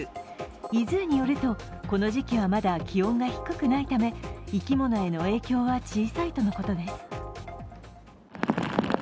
ｉＺｏｏによるとこの時期はまだ気温が低くないため生き物への影響は小さいとのことです。